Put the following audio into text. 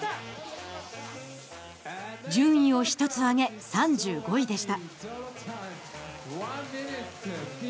順位を１つ上げ３５位でした。